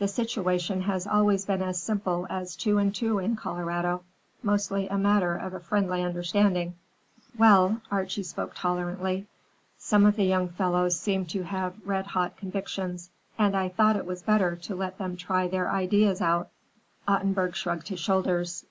The situation has always been as simple as two and two in Colorado; mostly a matter of a friendly understanding." "Well,"—Archie spoke tolerantly,—"some of the young fellows seemed to have red hot convictions, and I thought it was better to let them try their ideas out." Ottenburg shrugged his shoulders.